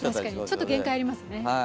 ちょっと限界がありますね。